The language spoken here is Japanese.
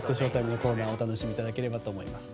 ＳＨＯ‐ＴＩＭＥのコーナーをお楽しみいただければと思います。